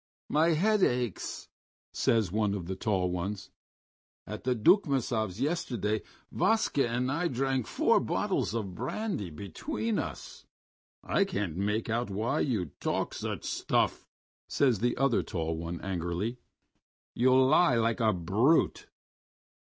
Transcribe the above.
"My head aches," says one of the tall ones. "At the Dukmasovs' yesterday Vaska and I drank four bottles of brandy between us." "I can't make out why you talk such stuff," says the other tall one angrily. "You lie like a brute."